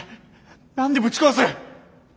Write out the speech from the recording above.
何でぶち壊す。